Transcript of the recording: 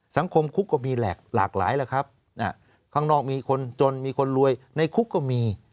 สังคมคุกก็มีหลากหลายแหละครับข้างนอกมีคนจนมีคนรวยในคุกก็มี